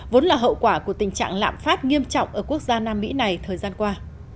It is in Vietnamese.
vốn là hậu quả của tình trạng lạm phát nghiêm trọng ở quốc gia nam mỹ này thời gian qua